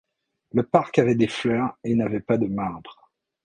Le parc avait des fleurs et n’avait pas de marbres.